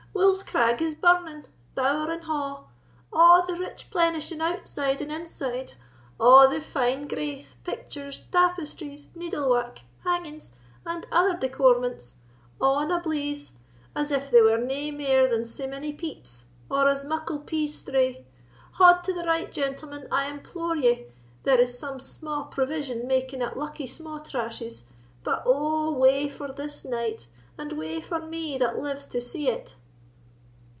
Wolf's Crag is burning, bower and ha'—a' the rich plenishing outside and inside—a' the fine graith, pictures, tapestries, needle wark, hangings, and other decorements—a' in a bleeze, as if they were nae mair than sae mony peats, or as muckle pease strae! Haud to the right, gentlemen, I implore ye; there is some sma' provision making at Luckie Sma'trash's; but oh, wae for this night, and wae for me that lives to see it!"